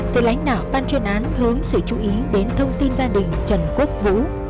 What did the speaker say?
thì lãnh đạo ban chuyên án hướng sự chú ý đến thông tin gia đình trần quốc vũ